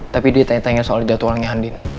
tapi dia tanya tanya soal jadwalnya andin